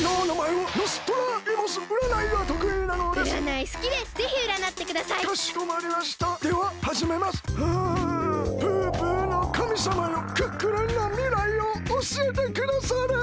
はあぷーぷーのかみさまよクックルンのみらいをおしえてくだされ！